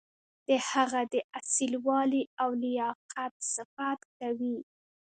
د هغه د اصیل والي او لیاقت صفت کوي.